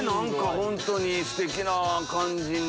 本当にステキな感じに。